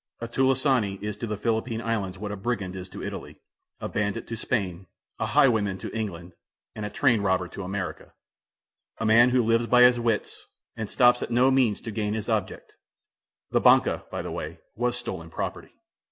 A "tulisane" is to the Philippine Islands what a brigand is to Italy, a bandit to Spain, a highwayman to England, and a train robber to America; a man who lives by his wits, and stops at no means to gain his object. The "banca," by the way, was stolen property.